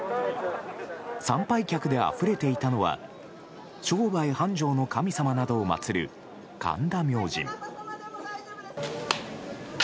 参拝客であふれていたのは商売繁盛の神様などを祭る神田明神。